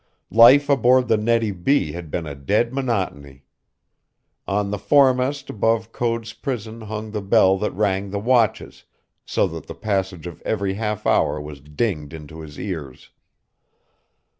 Life aboard the Nettie B. had been a dead monotony. On the foremast above Code's prison hung the bell that rang the watches, so that the passage of every half hour was dinged into his ears.